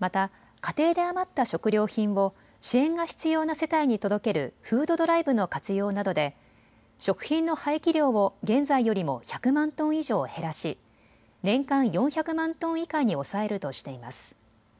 また、家庭で余った食料品を支援が必要な世帯に届けるフードドライブの活用などで食品の廃棄量を現在よりも１００万トン以上減らし、年間４００万トン以下に抑えるとしています。